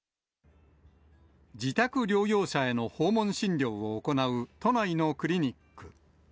自宅療養者への訪問診療を行う都内のクリニック。